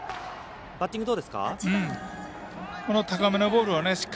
バッティングどうですか？